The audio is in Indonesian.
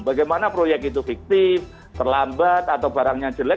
bagaimana proyek itu fiktif terlambat atau barangnya jelek